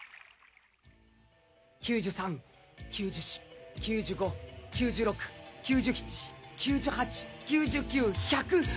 ９３９４９５９６９７９８９９１００！